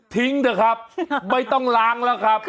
ทิ้งนะครับไม่ต้องล้างนะครับ